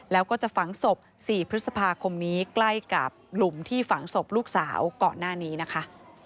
แล้วก็จะฝังศพ๔พฤษภาคมนี้ใกล้กับหลุมที่ฝังศพลูกสาวก่อนหน้านี้นะคะ